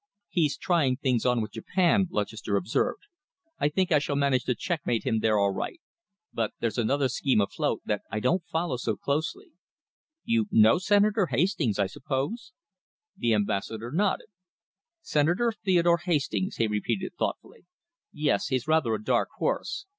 "He's trying things on with Japan," Lutchester observed. "I think I shall manage to checkmate him there all right. But there's another scheme afloat that I don't follow so closely. You know Senator Hastings, I suppose?" The Ambassador nodded. "Senator Theodore Hastings," he repeated thoughtfully. "Yes, he's rather a dark horse.